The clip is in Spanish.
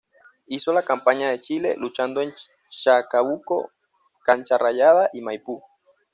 Hizo la campaña de Chile, luchando en Chacabuco, Cancha Rayada y Maipú.